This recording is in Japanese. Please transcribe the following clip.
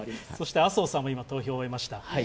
麻生さんも今、投票を終えました。